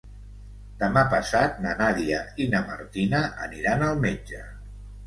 Demà passat na Nàdia i na Martina aniran al metge.